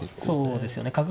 そうですよね。